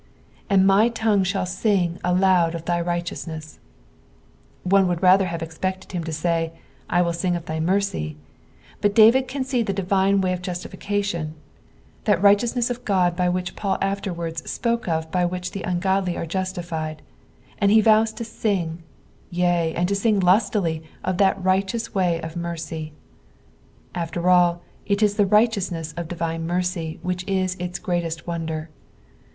" And my tongue ibnll sing aloud of thy rigMeovmeu." One would rather have eipected him to say, I will sing of thy mercy ; but David can aee the divine way of juatiflcation, that righteousness of Qod which Paul afterwards spoke of by which the ungodly are justified, and he vows to sing, yea, and to sing lustily of that righteous way of mercy. After all, it is the righteousness of divine mercy which is ifs greatest wonder.